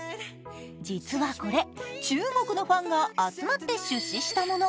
実はこれ、中国のファンが集まって出資したもの。